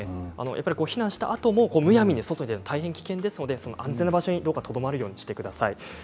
避難したあともむやみに外には危険ですので安全な場所にとどまるようにしてください。